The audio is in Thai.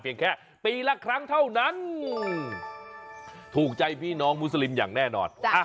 แค่ปีละครั้งเท่านั้นถูกใจพี่น้องมุสลิมอย่างแน่นอน